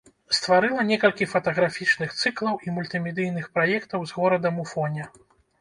Стварыла некалькі фатаграфічных цыклаў і мультымедыйных праектаў з горадам у фоне.